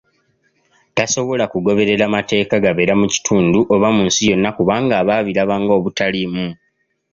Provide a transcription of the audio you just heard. Tasobola kugoberera mateeka gabeera mu kitundu oba mu nsi yonna kubanaga aba abiraba ng'obutaliimu.